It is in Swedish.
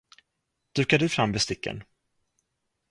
Dukar du fram besticken?